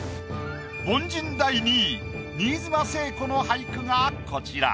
凡人第２位新妻聖子の俳句がこちら。